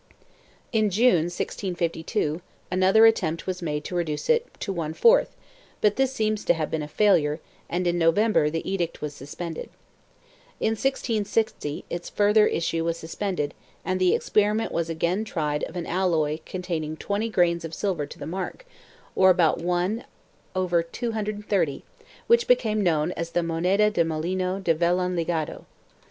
In June, 1652, another attempt was made to reduce it to one fourth, but this seems to have been a failure and in November the edict was suspended. In 1660 its further issue was suspended and the experiment was again tried of an alloy containing 20 grains of silver to the marc, or about ^$, which became known as moneda de molino de vellon ligado.